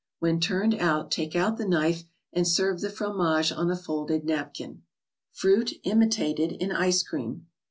When turned out, take out the knife, and serve the frontage on a folded napkin. tfrutt 3jmitate& tnScc^Cream.